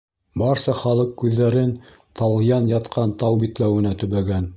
Барса халыҡ күҙҙәрен Талйән ятҡан тау битләүенә төбәгән.